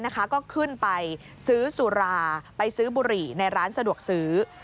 ก็ขึ้นไปซื้อสุราไปซื้อบุหรี่ในร้านสะดวกซื้อ